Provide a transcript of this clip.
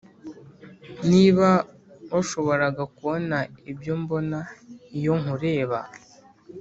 niba washoboraga kubona ibyo mbona iyo nkureba,